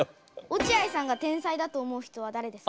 落合さんが天才だと思う人は誰ですか？